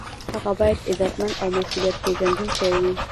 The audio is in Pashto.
هغه باید عزتمند او مسؤلیت پیژندونکی وي.